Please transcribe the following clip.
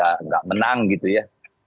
yang dinyalon tapi gak menang gitu ya